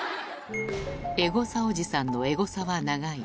エゴサおじさんのエゴサは長い。